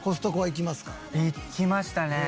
行きましたね。